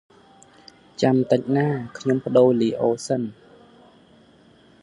ចាំតិចណា៎ ខ្ញុំផ្ដូរលីអូសិន។